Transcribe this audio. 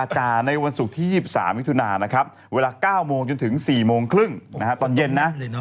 จนถึง๔โมงครึ่งตอนเย็นนะ